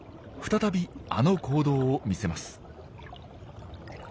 再びあの行動を見せます。